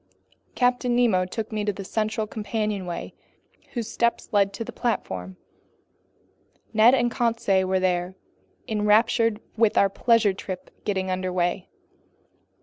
Captain Nemo took me to the central companionway whose steps led to the platform. Ned and Conseil were there, enraptured with the "pleasure trip" getting under way.